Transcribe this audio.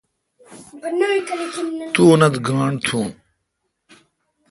تو اونتھ گاݨڈ تھون۔